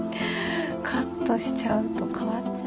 カットしちゃうと変わっちゃう。